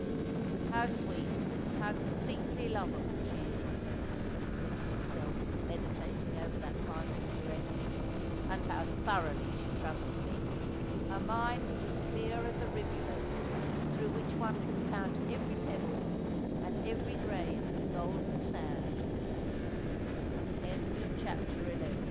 ' How sweet — how completely lov able she is,' he said to himself , meditating over that final cigarette, ' and how thoroughly she trusts me ! Her mind is as clear as a rivulet, through which one can count every pebble and every grain of golden sand.' CHAPTER XII. ' AND TO